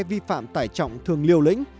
vi phạm tải trọng thường liều lĩnh